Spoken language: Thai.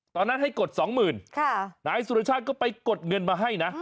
ตอนนั้นให้กดสองหมื่นนายสุรชาติก็ไปกดเงินมาให้นะ